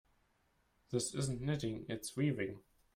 This isn't knitting, its weaving.